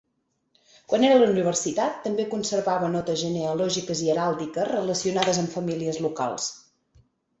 Quan era a la universitat, també conservava notes genealògiques i heràldiques relacionades amb famílies locals.